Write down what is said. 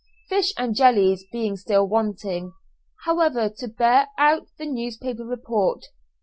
Fish and jellies being still wanting, however, to bear out the newspaper report.